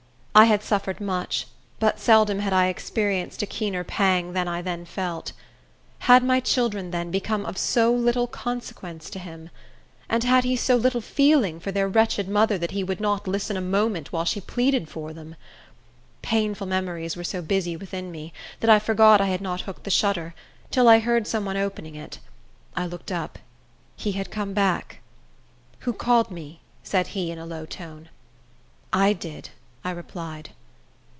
I had suffered much; but seldom had I experienced a keener pang than I then felt. Had my children, then, become of so little consequence to him? And had he so little feeling for their wretched mother that he would not listen a moment while she pleaded for them? Painful memories were so busy within me, that I forgot I had not hooked the shutter, till I heard some one opening it. I looked up. He had come back. "Who called me?" said he, in a low tone. "I did," I replied.